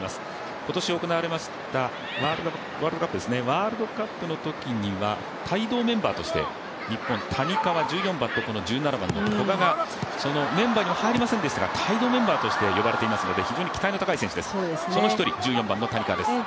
ワールドカップのときには帯同メンバーとして日本、谷川と古賀がそのメンバーには入りませんでしたが帯同メンバーとして呼ばれていますので非常に期待の高い選手です、その１人、１４番の谷川です。